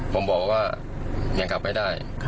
ผมบอกว่ายังกลับไม่ได้